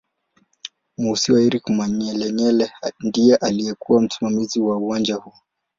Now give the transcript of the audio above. Musiiwa Eric Manyelenyele ndiye aliyekuw msimamizi wa uwanja huo